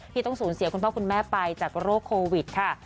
ที่ต้องสูญเสียคุณพ่อคุณแม่ไปจากโรคโควิดค่ะ